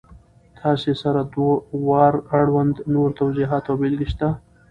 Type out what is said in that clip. تاسې سره د وار اړوند نور توضیحات او بېلګې شته!